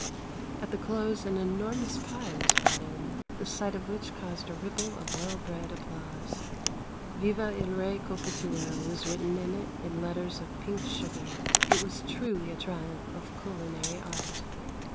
At the close an enormous pie was brought in, the sight of which caused a ripple of well bred applause. "Viva Il Re Cophetua" was written on it in letters of pink sugar. It was truly a triumph of culinary art.